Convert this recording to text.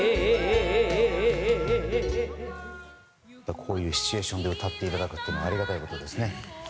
こういうシチュエーションで歌っていただくのはありがたいことですね。